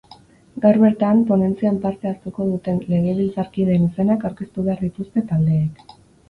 Gaur bertan, ponentzian parte hartuko duten legebiltzarkideen izenak aurkeztu behar dituzte taldeek.